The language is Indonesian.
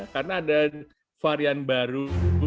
karena ada varian baru